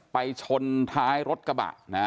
ไปชนท้ายรถกระบะนะ